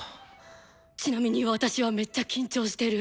ちなみに私はめっちゃ緊張してる。